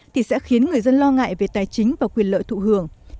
thì sẽ khiến người dân lo ngại về tài chính và quyền lợi thụ hưởng